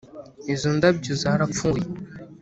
izo ndabyo zarapfuye